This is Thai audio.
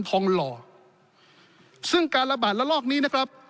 ทองหล่อซึ่งการระบาดระลอกนี้นะครับ